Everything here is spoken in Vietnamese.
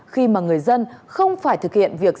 khi mà người dân không phải thực hiện việc